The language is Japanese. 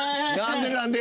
何で？